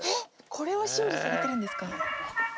これを修理されてるんですか？